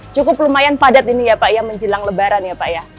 cukup lumayan padat ini ya pak ya menjelang lebaran ya pak ya